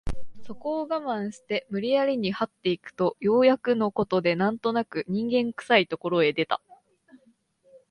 そこを我慢して無理やりに這って行くとようやくの事で何となく人間臭い所へ出た